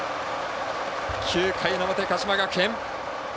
９回の表、鹿島学園。